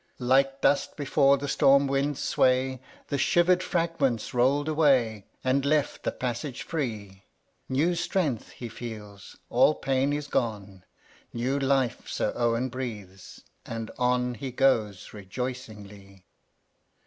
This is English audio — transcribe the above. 22. Like dust before the storm wind's sway The shivered fragments roU'd away, And left the passage free ; New strength he feels ; all pain is gone ; New life Sir Owen breathes; and on He goes rejoicingly.